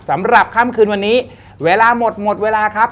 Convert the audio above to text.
สำหรับค่ำคืนวันนี้เวลาหมดหมดเวลาครับ